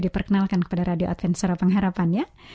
diperkenalkan kepada radio adventure pengharapan ya